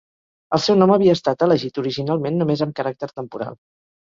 El seu nom havia estat elegit originalment només amb caràcter temporal.